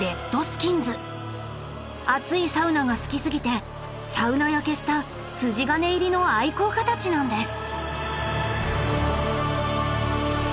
熱いサウナが好きすぎてサウナ焼けした筋金入りの愛好家たちなんです。